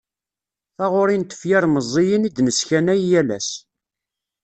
Taɣuri n tefyar meẓẓiyen i d-nesskanay yal ass.